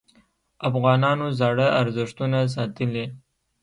افغانانو زاړه ارزښتونه ساتلي.